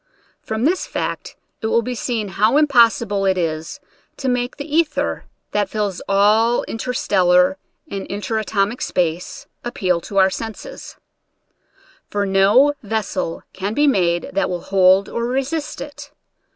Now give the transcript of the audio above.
From this fact it will be seen how impossible it is to make the ether, that fills all interstellar and inter atomic space, appeal to our senses ; for no ves sel can be made that will hold or resist it.